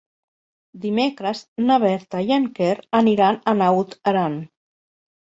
Dimecres na Berta i en Quer aniran a Naut Aran.